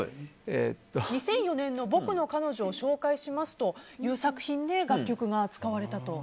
「僕の彼女を紹介します」という作品で楽曲が使われたと。